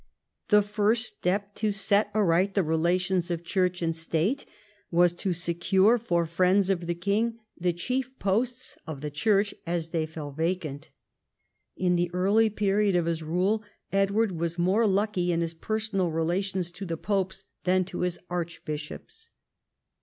The first step to set aright the relations of Church and State was to secure for friends of the king the chief posts of the Church as they fell vacant. In the early period of his rule Edward was more lucky in his personal relations to the popes than to his archbishops.